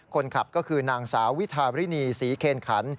คนขับก็คือนางสาววิทารินีศรีเคนขัน